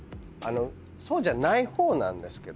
そうじゃない方なんですけど。